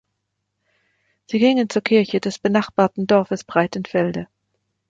Sie gingen zur Kirche des benachbarten Dorfes Breitenfelde.